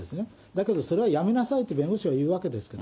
だけどそれはやめなさいと弁護士が言うわけですね。